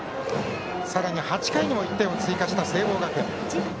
さらに８回にも１点を追加した聖望学園。